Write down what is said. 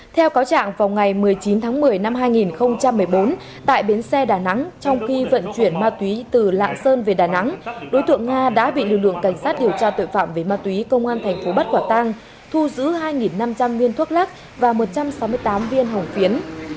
theo cáo trạng vào ngày một mươi chín tháng một mươi năm hai nghìn một mươi bốn tại bến xe đà nẵng trong khi vận chuyển ma túy từ lạng sơn về đà nẵng đối tượng nga đã bị lực lượng cảnh sát điều tra tội phạm về ma túy công an thành phố bắt quả tang thu giữ hai năm trăm linh viên thuốc lắc và một trăm sáu mươi tám viên hồng phiến